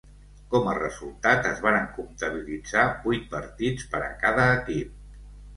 Com a resultat, es varen comptabilitzar vuit partits per a cada equip.